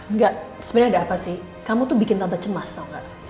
enggak sebenarnya ada apa sih kamu tuh bikin tante cemas tau gak